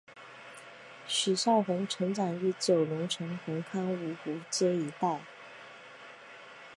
许绍雄成长于九龙城红磡芜湖街一带。